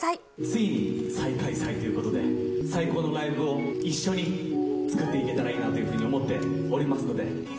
ついに再開催ということで、最高のライブを一緒に作っていけたらいいなというふうに思っておりますので。